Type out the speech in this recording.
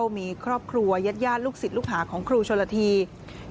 ก็มีครอบครัวยัดลูกสิทธิ์ลูกหาของครูชลธีธานทอง